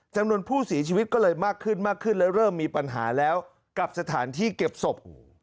จำนวนผู้เสียชีวิตก็เลยมากขึ้นมากขึ้นและเริ่มมีปัญหาแล้วกับสถานที่เก็บศพ